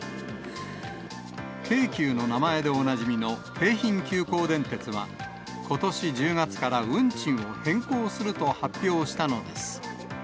京急の名前でおなじみの京浜急行電鉄は、ことし１０月から運賃を変更すると発表したのです。